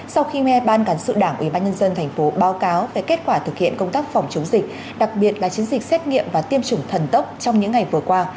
sau khi mê ban cản sự đảng ubnd thành phố báo cáo về kết quả thực hiện công tác phòng chống dịch đặc biệt là chiến dịch xét nghiệm và tiêm chủng thần tốc trong những ngày vừa qua